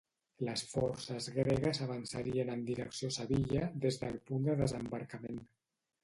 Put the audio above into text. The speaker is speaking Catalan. Les forces gregues avançarien en direcció a Sevilla, des del punt de desembarcament.